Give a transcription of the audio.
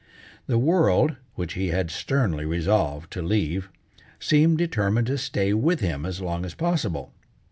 The world, which he had sternly resolved to leave, seemed determined to stay with him as long as possible.